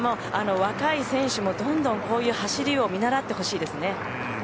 若い選手もどんどんこういう走りを見習ってほしいですね。